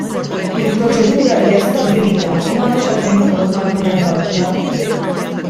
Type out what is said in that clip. Il-proċedura hija stabbilita u m'għandniex għalfejn noqogħdu nargumentaw iktar.